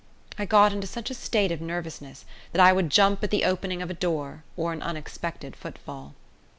I got into such a state of nervousness that I would jump at the opening of a door or an unexpected footfall.